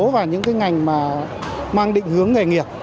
và những cái ngành mà mang định hướng nghề nghiệp